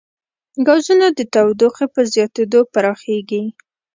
ګازونه د تودوخې په زیاتېدو پراخېږي.